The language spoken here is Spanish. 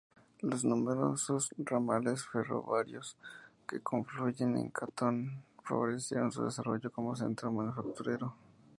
Los numerosos ramales ferroviarios que confluyen en Canton favorecieron su desarrollo como centro manufacturero.